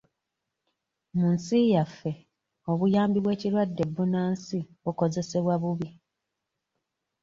Mu nsi yaffe, obuyambi bw'ekirwadde bbunansi bukozesebwa bubi.